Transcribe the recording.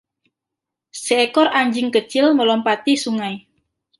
Seekor anjing kecil melompati sungai.